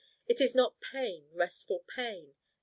It is not pain, Restful pain.